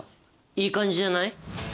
いい感じじゃない？